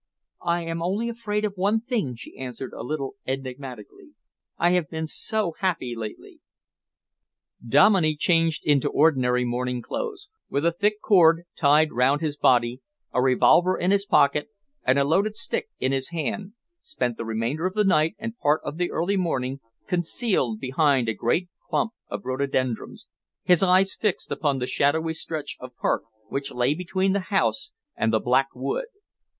"I am only afraid of one thing," she answered a little enigmatically. "I have been so happy lately." Dominey, changed into ordinary morning clothes, with a thick cord tied round his body, a revolver in his pocket, and a loaded stick in his hand, spent the remainder of the night and part of the early morning concealed behind a great clump of rhododendrons, his eyes fixed upon the shadowy stretch of park which lay between the house and the Black Wood.